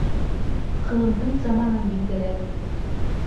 Ҡылымдың заманын билдәләгеҙ